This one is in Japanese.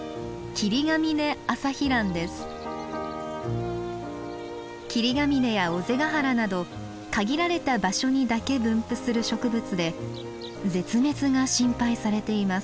霧ヶ峰や尾瀬ヶ原など限られた場所にだけ分布する植物で絶滅が心配されています。